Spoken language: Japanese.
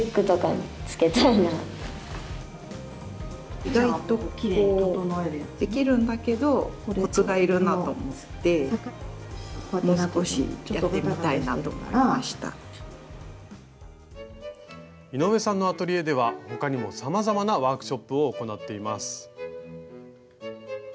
意外と井上さんのアトリエでは他にもさまざまなワークショップを行っています。